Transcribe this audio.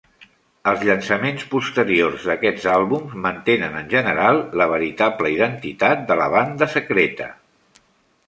Els llançaments posteriors d'aquests àlbums mantenen en general la veritable identitat de la banda secreta.